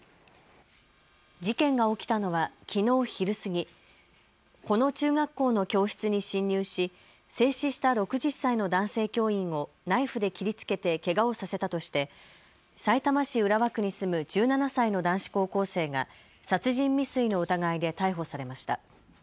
事件が起きたのはきのう昼過ぎ、この中学校の教室に侵入し制止した６０歳の男性教員をナイフで切りつけてけがをさせたとしてさいたま市浦和区に住む１７歳の男子高校生が殺人未遂の疑いで逮捕されました。